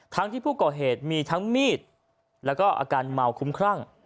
ที่ผู้ก่อเหตุมีทั้งมีดแล้วก็อาการเมาคุ้มครั่ง